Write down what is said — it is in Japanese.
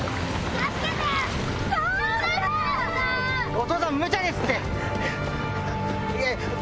お父さん無茶ですって！